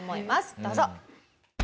どうぞ。